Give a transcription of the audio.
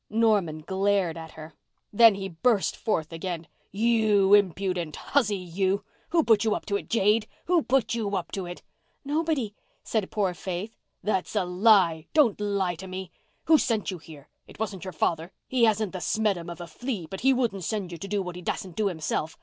Norman glared at her. Then he burst forth again. "You impudent hussy—you! Who put you up to it, jade? Who put you up to it?" "Nobody," said poor Faith. "That's a lie. Don't lie to me! Who sent you here? It wasn't your father—he hasn't the smeddum of a flea—but he wouldn't send you to do what he dassn't do himself.